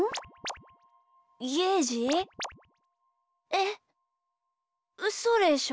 えっうそでしょ？